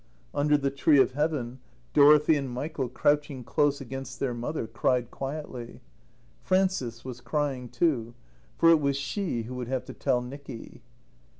Under the tree of Heaven Dorothy and Michael, crouching close against their mother, cried quietly. Frances was crying, too; for it was she who would have to tell Nicky.